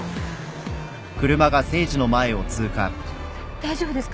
大丈夫ですか？